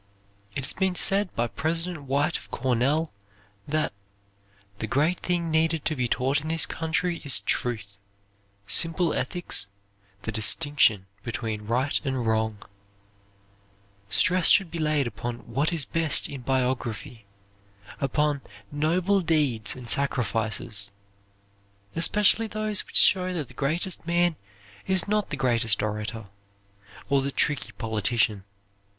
It has been said by President White of Cornell that, "The great thing needed to be taught in this country is truth, simple ethics, the distinction between right and wrong. Stress should be laid upon what is best in biography, upon noble deeds and sacrifices, especially those which show that the greatest man is not the greatest orator, or the tricky politician.